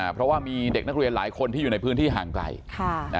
เพราะว่ามีเด็กนักเรียนหลายคนที่อยู่ในพื้นที่ห่างไกล